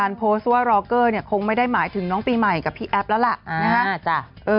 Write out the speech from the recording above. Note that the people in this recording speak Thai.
ไม่เข้าใจแต่ไม่โกรธค่ะ